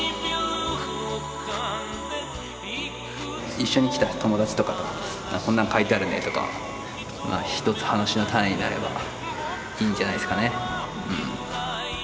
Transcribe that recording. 一緒に来た友達とかとこんなん書いてあるねとかひとつ話の種になればいいんじゃないですかね。